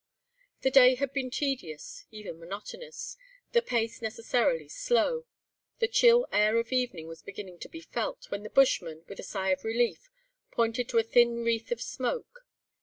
The day had been tedious, even monotonous, the pace necessarily slow; the chill air of evening was beginning to be felt, when the bushman, with a sigh of relief, pointed to a thin wreath of smoke.